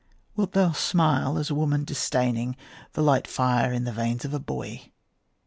Wilt thou smile as a woman disdaining The light fire in the veins of a boy?